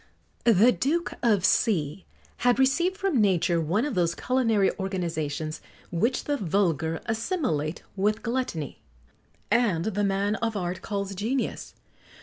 The Duke of C had received from nature one of those culinary organizations which the vulgar assimilate with gluttony, and the man of art calls genius.